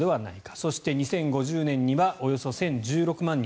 そして、２０５０年にはおよそ１０１６万人。